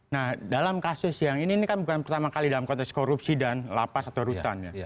nah dalam kasus yang ini kan bukan pertama kali dalam konteks korupsi dan lapas atau rutan ya